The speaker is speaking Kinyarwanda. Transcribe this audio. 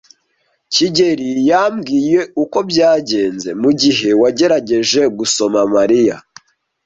kigeli yambwiye uko byagenze mugihe wagerageje gusoma Mariya.